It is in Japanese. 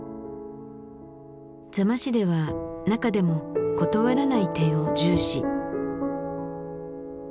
座間市では中でも「断らない」点を重視。